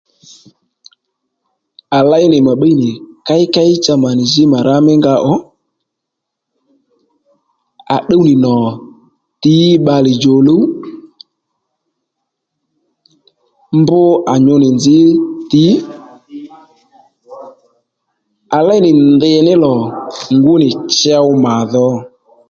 À léy nì mà bbíy nì kéykéy cha mà nì jǐ mà rǎ mí nga ò à tdúw nì nò tǐy bbalè djòluw mb à nyu nì nzǐ tǐ à léy nì ndì ní lò ngú nì chow mà dho